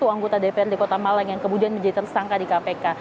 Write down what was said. satu anggota dprd kota malang yang kemudian menjadi tersangka di kpk